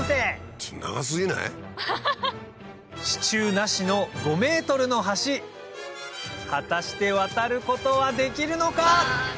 支柱なしの５ｍの橋果たして渡ることはできるのか？